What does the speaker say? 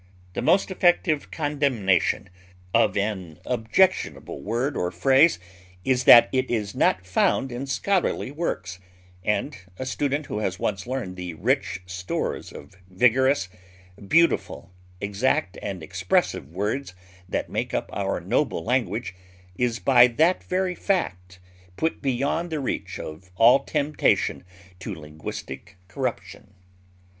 The most effective condemnation of an objectionable word or phrase is that it is not found in scholarly works, and a student who has once learned the rich stores of vigorous, beautiful, exact, and expressive words that make up our noble language, is by that very fact put beyond the reach of all temptation to linguistic corruption.